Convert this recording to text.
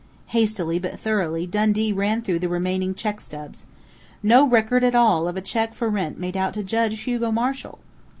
_ Hastily but thoroughly Dundee ran through the remaining check stubs.... _No record at all of a check for rent made out to Judge Hugo Marshall!